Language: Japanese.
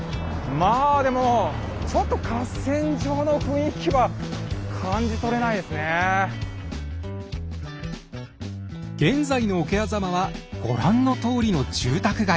まあでもちょっと現在の桶狭間はご覧のとおりの住宅街。